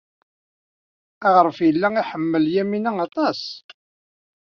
Aɣref yella iḥemmel Yamina aṭas.